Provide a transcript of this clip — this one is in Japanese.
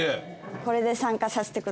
これで参加させてください。